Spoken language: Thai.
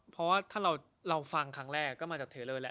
เพราะว่าถ้าเราฟังครั้งแรกก็มาจากเทเลอร์แล้ว